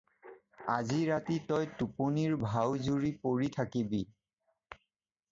আজি ৰাতি তই টোপনিৰ ভাও জুৰি পৰি থাকিবি।